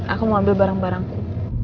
aku mau ambil barang barangku